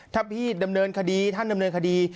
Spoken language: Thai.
ถ้าพี่ดำเนินคดีท่านดำเนินคดี